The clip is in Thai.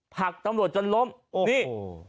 ผลักตำรวจจนล้มโอ้นี่